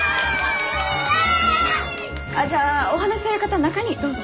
ああじゃあお話しされる方中にどうぞ。